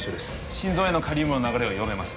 心臓へのカリウムの流れを弱めます